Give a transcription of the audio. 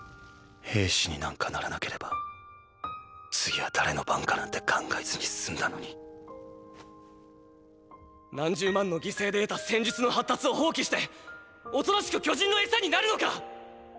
兵士になんかならなければ次は誰の番かなんて考えずに済んだのに何十万の犠牲で得た戦術の発達を放棄しておとなしく巨人のエサになるのか？